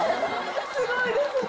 すごいですね！